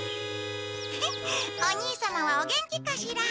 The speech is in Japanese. フフお兄様はお元気かしら？